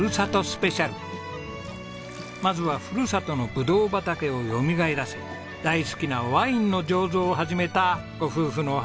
まずはふるさとのブドウ畑をよみがえらせ大好きなワインの醸造を始めたご夫婦のお話です。